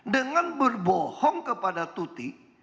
dengan berbohong kepada tuti